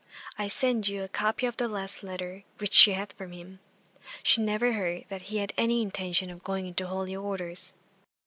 I send you a copy of the last letter which she had from him; she never heard that he had any intention of going into holy orders.